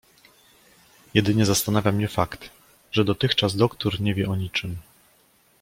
"Jedynie zastanawia mnie fakt, że dotychczas doktór nie wie o niczem."